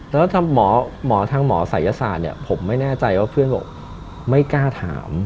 แล้วถ้าหมอทางหมอศัยศาสตร์เนี่ยผมไม่แน่ใจว่าเพื่อนบอกไม่กล้าถาม